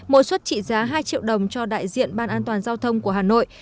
mỗi xuất trị giá hai triệu đồng cho đại diện ban an toàn giao thông của hà nội